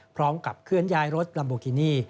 พร้อมกับเคลื่อนย้ายรถลัมโบกินี่